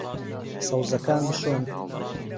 سەوزەکان بشۆن.